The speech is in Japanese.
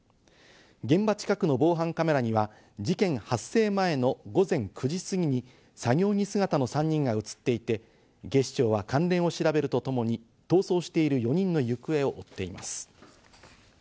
現場近くの防犯カメラには事件発生前の午前９時過ぎに作業着姿の３人が映っていて、警視庁は関連を調べるとともに、逃走している４人の行方を追っています。